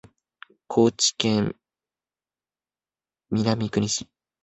高知県南国市